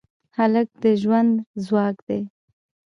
هلک د ژوند ځواک دی.